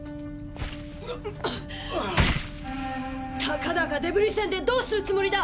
たかだかデブリ船でどうするつもりだ！